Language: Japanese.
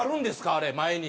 あれ前に。